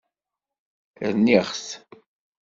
Rniɣ-t.